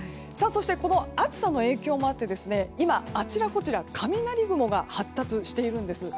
そして暑さの影響もあって今、あちらこちらで雷雲が発達しているんです。